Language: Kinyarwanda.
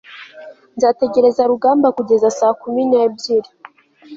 nzategereza rugamba kugeza saa kumi n'ebyiri